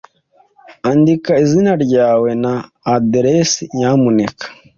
Andika izina ryawe na aderesi, nyamuneka.